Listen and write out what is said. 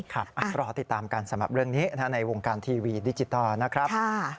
รอติดตามกันสำหรับเรื่องนี้ในวงการทีวีดิจิทัลนะครับ